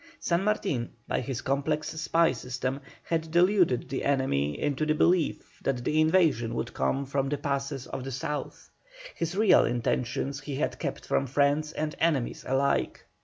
San Martin, by his complex spy system, had deluded the enemy into the belief that the invasion would come from the passes of the south; his real intentions he had kept from friends and enemies alike.